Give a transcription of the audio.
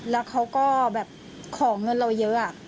แล้วเขาก็แบบขอเงินเราเยอะ